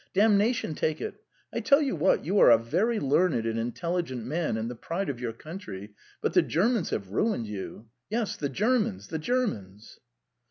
Damnation take it! I tell you what: you are a very learned and intelligent man and the pride of your country, but the Germans have ruined you. Yes, the Germans! The Germans!"